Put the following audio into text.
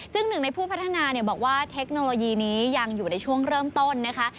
ซึ่งหนึ่งในผู้พัฒนาบอกว่าเทคโนโลยีนี้ยังอยู่ในช่วงเริ่มต้นนะคะ